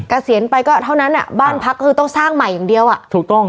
เกษียณไปก็เท่านั้นอ่ะบ้านพักก็คือต้องสร้างใหม่อย่างเดียวอ่ะถูกต้อง